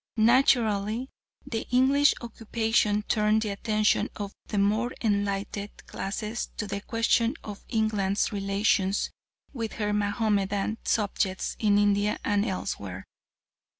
Naturally the English occupation turned the attention of the more enlightened classes to the question of England's relations with her Mahomedan subjects in India and elsewhere.